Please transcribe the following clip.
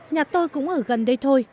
nhà tôi cũng ở gần đây thôi